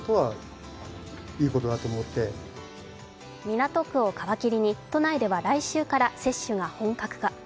港区を皮切りに都内では来週から接種が本格化。